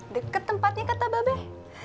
deket tempatnya kata babek